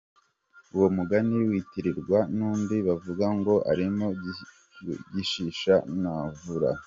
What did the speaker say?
Uwo mugani witiranwa n’undi bavuga ngo «Arimo gishigisha ntavura».